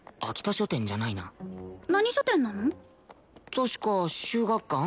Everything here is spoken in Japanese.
確か集学館。